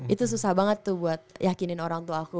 itu susah banget tuh buat yakinin orang tua aku